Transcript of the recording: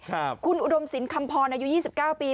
ครับคุณอุดมสินคำพรอายุยี่สิบเก้าปี